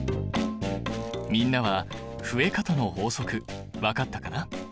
みんなは増え方の法則分かったかな？